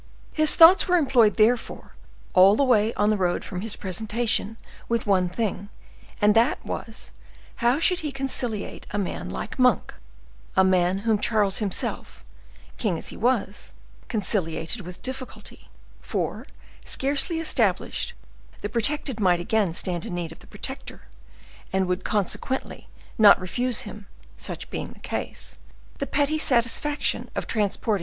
His thoughts were employed, therefore, all the way on the road from his presentation, with one thing, and that was, how he should conciliate a man like Monk, a man whom Charles himself, king as he was, conciliated with difficulty; for, scarcely established, the protected might again stand in need of the protector, and would, consequently, not refuse him, such being the case, the petty satisfaction of transporting M.